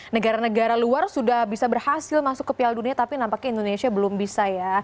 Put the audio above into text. negara negara luar sudah bisa berhasil masuk ke piala dunia tapi nampaknya indonesia belum bisa ya